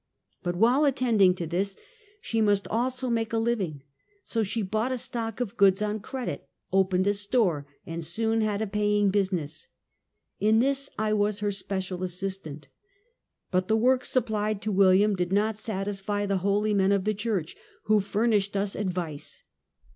But while attending to us, she must also make a living, so she bought a stock of goods on credit, opened a store, and soon had a paying business. In this I was her special assistant. But the work supplied to William did not satisfy the holy men of the church, who fur nished us advice.